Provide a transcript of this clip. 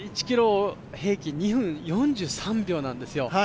１ｋｍ平均２分４３秒なんですよ。